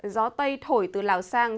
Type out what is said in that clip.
gió tây thổi từ lào sang